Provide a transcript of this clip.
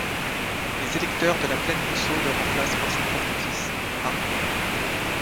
Les électeurs de la Plaine-Monceau le remplacent par son propre fils, Armand.